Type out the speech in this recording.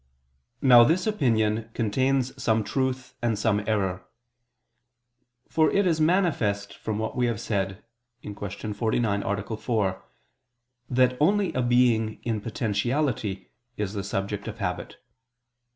Now this opinion contains some truth, and some error. For it is manifest from what we have said (Q. 49, A. 4) that only a being in potentiality is the subject of habit.